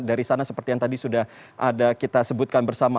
dari sana seperti yang tadi sudah ada kita sebutkan bersama